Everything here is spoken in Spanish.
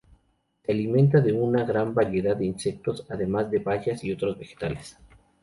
Se alimenta de una gran variedad de insectos, además de bayas y otros vegetales.